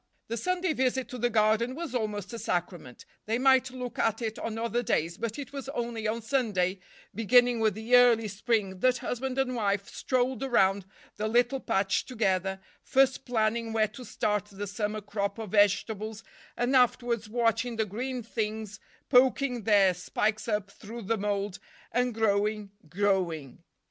The Sunday visit to the garden was almost a sacrament. They might look at it on other days, but it was only on Sunday, beginning with the early spring, that husband and wife strolled around the little patch together, first planning where to start the summer crop of vegetables and afterwards watching the green things poking their spikes up through the mold, and growing, growing.